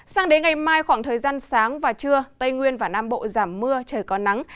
sang đến ngày mai khoảng thời gian sáng và trưa tây nguyên và nam bộ giảm mưa trời có nắng